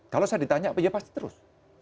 kalau saya ditanya apa ya pasti terus